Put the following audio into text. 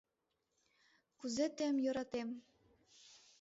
Кузе тыйым йӧратем!